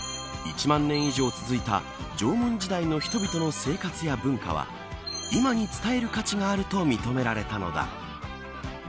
１万年以上続いた縄文時代の人々の生活や文化は今に伝える価値があると認められたのだ。